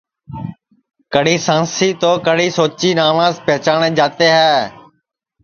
کڑی سانسی تو کڑی سوچی ناوس پیچاٹؔے جاتے ہے